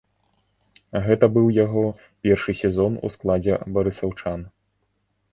Гэта быў яго першы сезон у складзе барысаўчан.